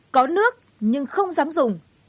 có nước nhưng không dám dùng